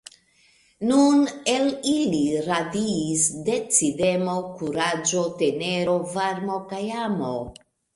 Nun el ili radiis decidemo, kuraĝo, tenero, varmo kaj amo.